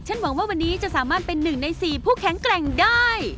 ฉันหวังว่าวันนี้จะสามารถเป็นหนึ่งในสี่ผู้แข็งแกร่งได้